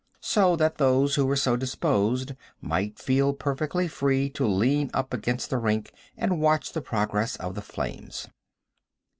so that those who were so disposed might feel perfectly free to lean up against the rink and watch the progress of the flames.